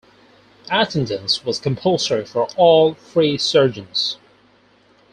Attendance was compulsory for all 'free' surgeons.